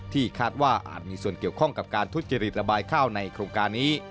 คาดว่าอาจมีส่วนเกี่ยวข้องกับการทุจริตระบายข้าวในโครงการนี้